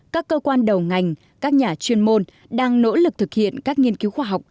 các cơ quan đầu ngành các nhà chuyên môn đang nỗ lực thực hiện các nghiên cứu khóa